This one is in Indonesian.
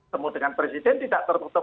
temu dengan presiden tidak tertutup